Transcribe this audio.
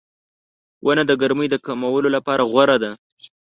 • ونه د ګرمۍ کمولو لپاره غوره ده.